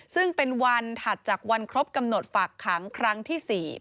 ซึ่งเป็นวันถัดจากวันครบกำหนดฝากขังครั้งที่๔